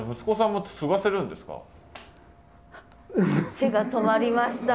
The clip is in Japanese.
手が止まりました。